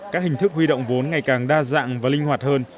các hình thức huy động vốn ngày càng đa dạng và linh hoạt hơn